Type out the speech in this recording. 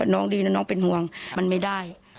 น่องดีนะน่องเป็นหวังมันไม่ได้